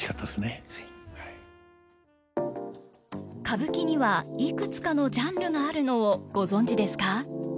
歌舞伎にはいくつかのジャンルがあるのをご存じですか？